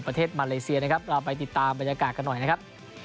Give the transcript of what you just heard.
ประเทศมาเลเซียนะครับเราไปติดตามบรรยากาศกันหน่อยนะครับ